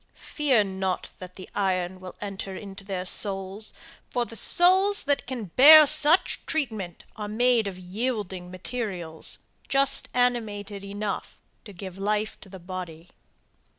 Fear not that the iron will enter into their souls for the souls that can bear such treatment are made of yielding materials, just animated enough to give life to the body.